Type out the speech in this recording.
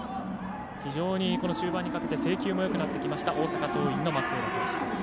非常に中盤にかけて制球もよくなってきました大阪桐蔭の松浦投手です。